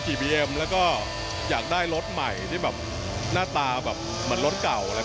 และเอาคนซ้อนั่งสบายด้วยและคนขับก็สบายด้วย